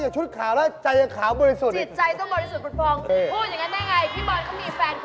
มีเองคนเดียวบ้าจริง